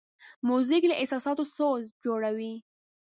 موزیک له احساساتو سوز جوړوي.